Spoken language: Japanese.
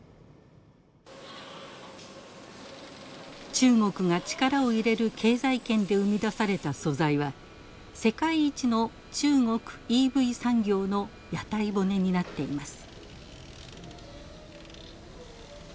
中国が力を入れる経済圏で生み出された素材は世界一の中国ＥＶ産業の屋台骨になっています。